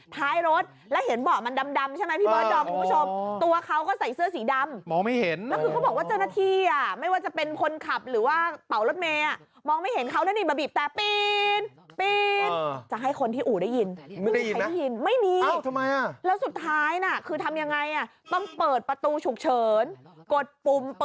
ท้ายรถแล้วเห็นเบาะมันดำใช่ไหมพี่เบิร์ดดอมคุณผู้ชม